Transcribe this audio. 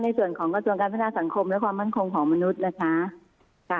ในส่วนของกระทรวงการพัฒนาสังคมและความมั่นคงของมนุษย์นะคะ